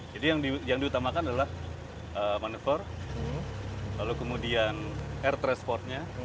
jadi yang diutamakan adalah manufur lalu kemudian air transportnya